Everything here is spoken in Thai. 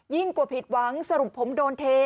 กว่าผิดหวังสรุปผมโดนเท